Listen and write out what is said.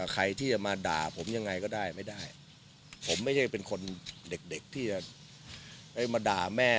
ใครที่จะมาด่าผมยังไงก็ได้ไม่ได้ผมไม่ใช่เป็นคนเด็กเด็กที่จะไปมาด่าแม่